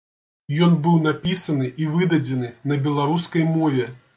Ён быў напісаны і выдадзены на беларускай мове.